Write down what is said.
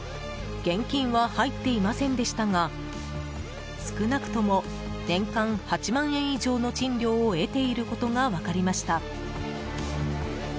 現金は入っていませんでしたが少なくとも年間８万円以上の賃料を得ていることが分かりました。